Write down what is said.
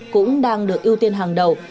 cũng đang được ưu tiên hàng đầu